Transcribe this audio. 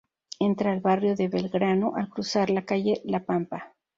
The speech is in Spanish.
Entra al barrio de Belgrano al cruzar la calle "La Pampa".